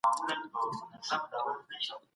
د مېوو خوړل د بدن غړي تازه کوي.